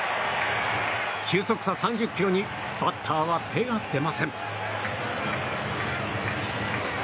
球速差３０キロにバッターは手が出ません。